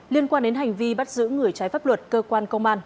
liên quan đến hành vi bắt giữ người trái pháp luật cơ quan công an